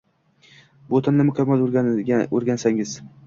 Bu tilni mukammal o’rgansangiz